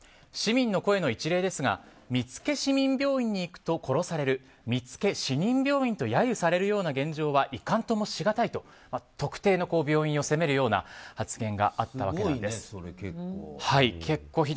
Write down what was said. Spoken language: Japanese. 市民の声の一例ですが見附市民病院に行くと殺される見附死人病院と揶揄されるような現状はいかんともしがたいと特定の病院を責めるようなすごいね、結構。